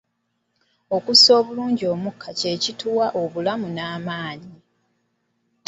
Okussa obulungi omukka kye kituwa obulamu n'amaanyi.